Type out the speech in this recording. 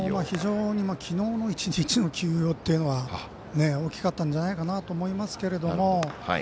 非常にきのうの１日の休養というのは大きかったんじゃないかなと思いますけれども。